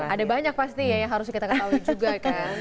ada banyak pasti ya yang harus kita ketahui juga kan